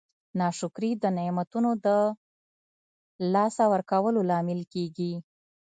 ناشکري د نعمتونو د لاسه ورکولو لامل کیږي.